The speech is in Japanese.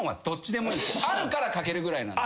どっちでもいいあるからかけるぐらい。